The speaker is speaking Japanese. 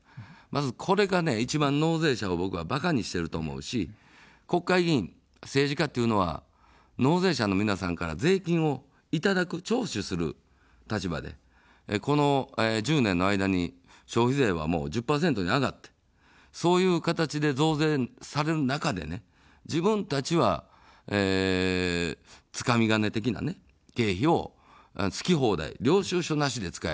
まずこれが一番、納税者を僕はバカにしてると思うし、国会議員、政治家というのは納税者の皆さんから税金をいただく、徴収する立場で、この１０年の間に消費税は１０％に上がって、そういう形で増税される中で、自分たちは、つかみ金的な経費を好き放題、領収書なしで使える。